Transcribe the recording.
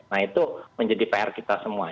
nah itu menjadi pr kita semua